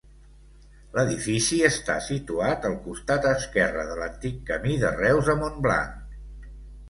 L'edifici està situat al costat esquerre de l'antic camí de Reus a Montblanc.